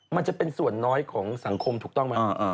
มันจะเป็นส่วนน้อยของสังคมถูกต้องไหม